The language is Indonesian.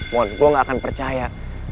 mohon gue gak akan percaya